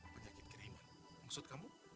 penyakit kiriman maksud kamu